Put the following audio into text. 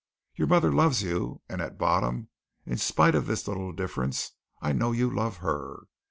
Your mother loves you, and at bottom, in spite of this little difference, I know you love her.